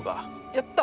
やった！